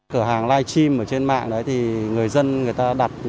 cửa hàng live stream ở trên mạng đấy thì người dân người ta đặt